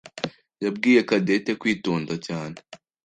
yabwiye Cadette kwitonda cyane.